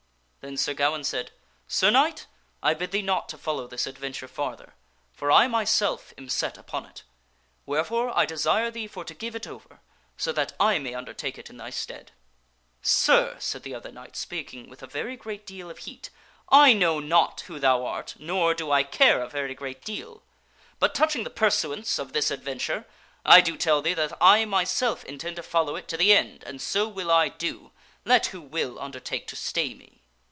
Then Sir Gawaine said, " Sir Knight, I bid thee not to follow this adventure farther, for I myself am set upon it. Wherefore I desire thee for to give it over so that I may undertake it in thy stead.*' " Sir," said the other knight, speaking with a very great deal of heat, " I know not who thou art, nor do I care a very great deal. But touching the pursuance of this adventure, I do tell thee that I myself intend to follow it to the end and so will I do, let who will undertake to stay me."